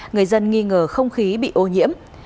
người dân nghi ngờ không khí bị ô nhiễm